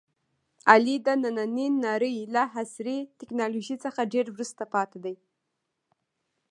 علي د نننۍ نړۍ له عصري ټکنالوژۍ څخه ډېر وروسته پاتې دی.